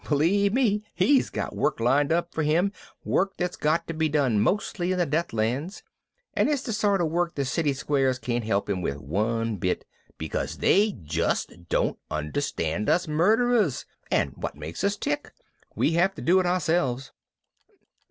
Believe me, he's got work lined up for him, work that's got to be done mostly in the Deathlands, and it's the sort of work the city squares can't help him with one bit, because they just don't understand us murderers and what makes us tick. We have to do it ourselves."